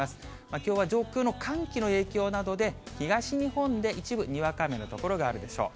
きょうは上空の寒気の影響などで、東日本で一部にわか雨の所があるでしょう。